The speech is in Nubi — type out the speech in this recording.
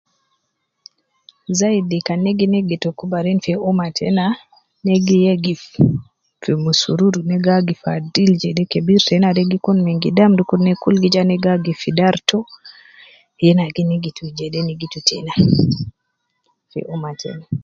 Zaidi kan ne gi nigitu kubarin te ummah tena, ne gi yegif fi musururu ne gi agif adil jede kebir tena de gi kun min gidam dukur ne gi ja ne gi agif fi dar to, yena gi nigitu jede nigitu tena fi ummah tena.